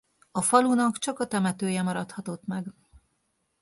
A falunak csak a temetője maradhatott meg.